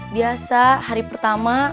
biasa hari pertama